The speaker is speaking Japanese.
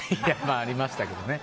ありましたけどね。